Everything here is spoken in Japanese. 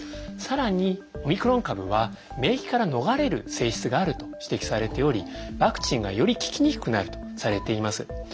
更にオミクロン株は免疫から逃れる性質があると指摘されておりワクチンがより効きにくくなるとされています。